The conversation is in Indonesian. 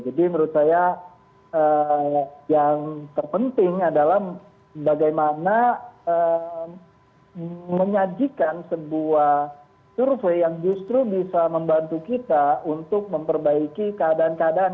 jadi menurut saya yang terpenting adalah bagaimana menyajikan sebuah survei yang justru bisa membantu kita untuk memperbaiki keadaan keadaan